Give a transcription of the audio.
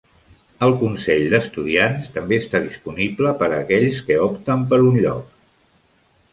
El Consell d'Estudiants també està disponible per a aquells que opten per un lloc.